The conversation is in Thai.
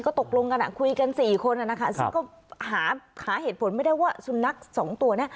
ตกลงกันคุยกัน๔คนนะคะซึ่งก็หาเหตุผลไม่ได้ว่าสุนัขสองตัวนี้